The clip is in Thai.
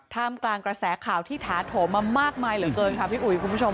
ทำกลางกระแสข่าวที่ถาโถมมามากมายเหลือเกินค่ะพี่อุ่ย